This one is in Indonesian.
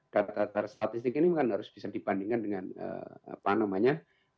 data data statistik ini kan harus bisa dibandingkan dengan apa namanya